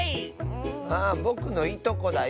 あぼくのいとこだよ！